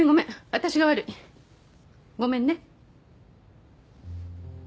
私が悪いごめんね